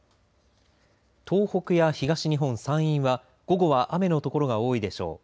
東北や東日本、山陰は午後は雨の所が多いでしょう。